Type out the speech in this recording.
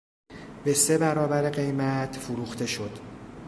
به سه برابر قیمت فروخته شد.